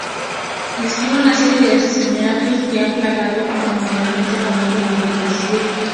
Describe una serie de asesinatos que han plagado el mundialmente famoso Las Vegas Strip.